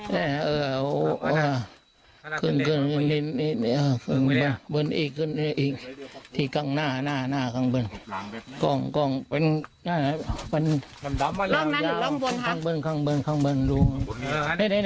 รูข้างล่างข้างล่าง